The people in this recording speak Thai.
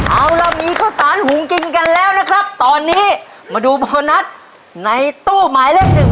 เอาล่ะมีข้าวสารหุงกินกันแล้วนะครับตอนนี้มาดูโบนัสในตู้หมายเลขหนึ่ง